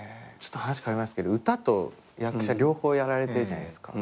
話変わりますけど歌と役者両方やられてるじゃないですか。